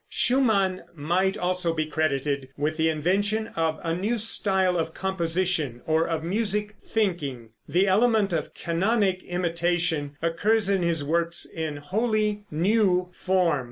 Schumann might also be credited with the invention of a new style of composition, or of music thinking. The element of canonic imitation occurs in his works in wholly new form.